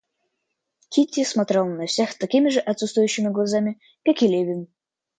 Кити смотрела на всех такими же отсутствующими глазами, как и Левин.